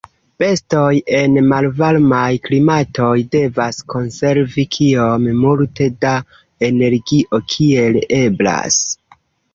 Bestoj en malvarmaj klimatoj devas konservi kiom multe da energio kiel eblas.